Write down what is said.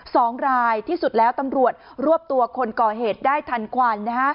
สองรายที่สุดแล้วตำรวจรวบตัวคนก่อเหตุได้ทันควันนะฮะ